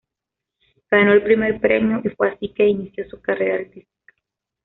Ganó el primer premio y fue así que inició su carrera artística.